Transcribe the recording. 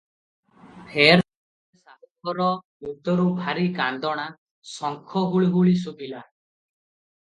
ଫେର୍ ଥରେ ସାହୁ ଘର ଭିତରୁ ଭାରି କାନ୍ଦଣା, ଶଙ୍ଖ ହୁଳହୁଳି ଶୁଭିଲା ।